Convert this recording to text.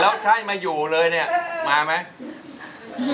แล้วใครมาอยู่เลยมาไหม